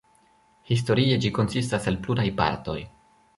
Historie ĝi konsistas el pluraj partoj.